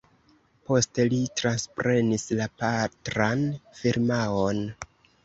Poste li transprenis la patran firmaon.